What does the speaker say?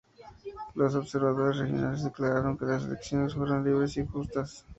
Los observadores regionales declararon que las elecciones fueron libres y justas.